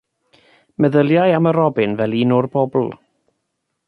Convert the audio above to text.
Meddyliai am y robin fel un o'r bobl.